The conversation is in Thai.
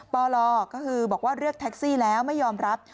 ปลก็คือบอกว่าเรียกแท็กซี่แล้วไม่ยอมรับ